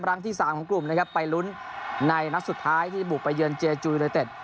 ที่สามของกลุ่มนะครับไปลุ้นในนัดสุดท้ายที่บุกไปเยือนเจจุยเต็ด